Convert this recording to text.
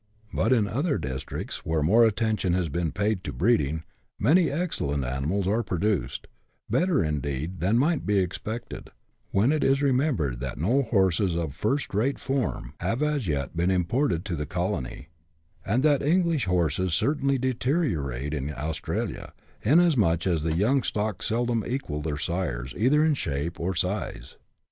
But in other districts, where more attention lias been paid to breeding, many excellent animals are produced — better, indeed, than might be expected, when it is remembered that no horses of first rate form have as yet been imported to the colony, and that English horses certainly deteriorate in Australia, inasmuch as the young stock seldom equal their sires either in shape or size.